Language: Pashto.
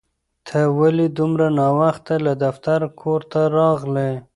ته ولې دومره ناوخته له دفتره کور ته راغلې؟